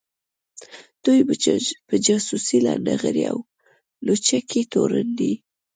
دوی په جاسوۍ ، لنډغري او لوچکۍ تورن دي